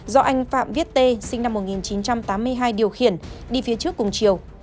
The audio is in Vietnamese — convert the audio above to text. do anh phạm viết tê sinh năm một nghìn chín trăm tám mươi hai điều khiển đi phía trước cùng chiều